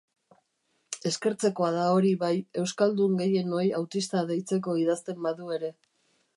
Eskertzekoa da hori, bai, euskaldun gehienoi autista deitzeko idazten badu ere.